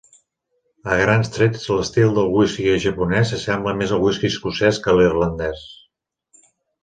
A grans trets l'estil del whisky japonès s’assembla més al whisky escocès que a l'irlandès.